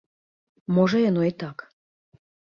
Можа яно і так.